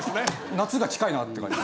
夏が近いなって感じ。